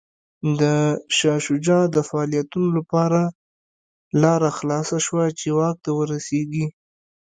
د شاه شجاع د فعالیتونو لپاره لاره خلاصه شوه چې واک ته ورسېږي.